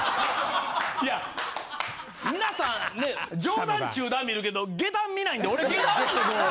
いや皆さんね上段中段見るけど下段見ないんで俺下段見てこう。